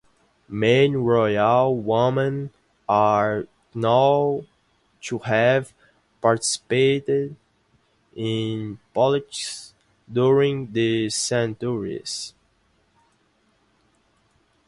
Many royal women are known to have participated in politics during the centuries.